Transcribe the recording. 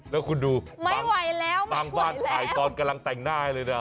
แล้วคุณดูไม่ไหวแล้วบางบ้านถ่ายตอนกำลังแต่งหน้าให้เลยนะ